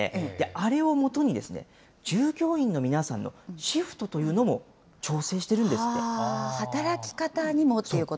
あれをもとに従業員の皆さんのシフトというのも調整しているんで働き方にもということ？